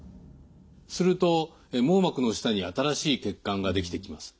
すると網膜の下に新しい血管ができてきます。